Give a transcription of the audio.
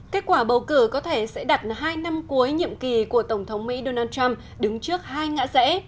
kết quả bầu cử có thể sẽ đặt hai năm cuối nhiệm kỳ của tổng thống mỹ donald trump đứng trước hai ngã rẽ